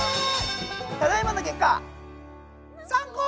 ただいまの結果３個！